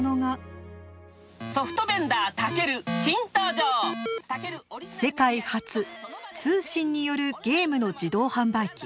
世界初通信によるゲームの自動販売機「ＴＡＫＥＲＵ」。